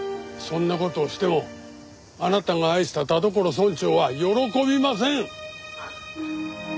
そんな事をしてもあなたが愛した田所村長は喜びません。